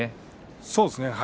そうですね。